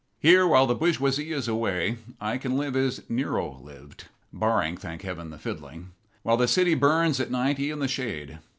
Here, while the bourgeoisie is away, I can live as Nero lived barring, thank heaven, the fiddling while the city burns at ninety in the shade.